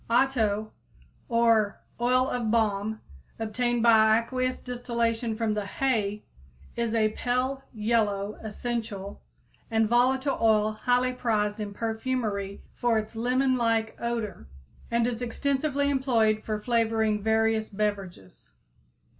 Otto or oil of balm, obtained by aqueous distillation from the "hay," is a pale yellow, essential and volatile oil highly prized in perfumery for its lemon like odor, and is extensively employed for flavoring various beverages.